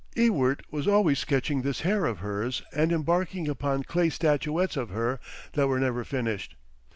Ewart was always sketching this hair of hers and embarking upon clay statuettes of her that were never finished.